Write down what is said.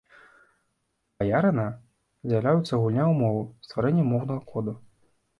Баярына, з'яўляецца гульня ў мову, стварэнне моўнага коду.